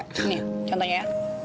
nih contohnya ya